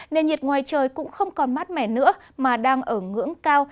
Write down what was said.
nền nhiệt ngoài trời cũng không còn mát mẻ nữa mà đang ở ngưỡng cao